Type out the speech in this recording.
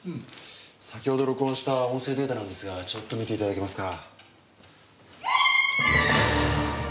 先ほど録音した音声データなんですがちょっと見ていただけますか？